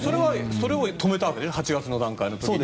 それを止めたわけね８月の段階の時に。